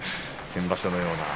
先場所のような。